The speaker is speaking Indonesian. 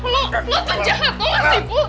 lo lo tuh jahat loh mas ibu